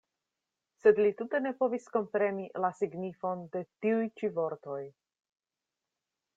Sed li tute ne povis kompreni la signifon de tiuj-ĉi vortoj.